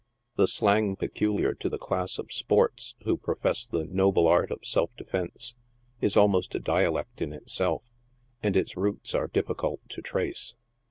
The slang peculiar to the class of " sports" who profess the " noble art of self defence," is almost a dialect in itself, and its roots are difficult to trace.